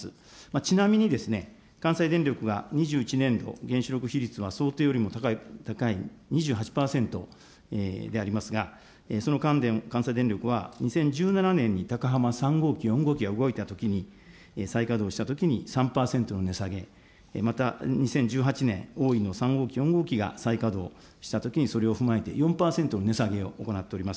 ちなみに関西電力は２１年度、原子力比率は想定よりも高い２８％でありますが、その関電、関西電力は、２０１７年に高浜３号機、４号機が動いたときに、再稼働したときに、３％の値下げ、また、２０１８年、大飯の３号機、４号機が再稼働したときにそれを踏まえて４％の値下げを行っております。